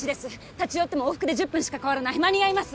立ち寄っても往復で１０分しか変わらない間に合います！